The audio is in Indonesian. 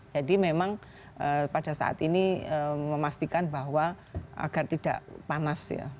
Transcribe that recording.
jadi memang pada saat ini memastikan bahwa agar tidak panas ya